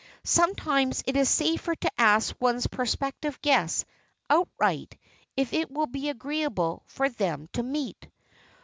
Sometimes it is safer to ask one's prospective guests outright if it will be agreeable for them to meet.